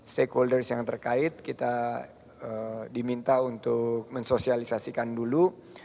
stakeholders yang terkait kita diminta untuk mensosialisasikan dulu